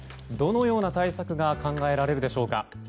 どのような対策が考えられるでしょうか。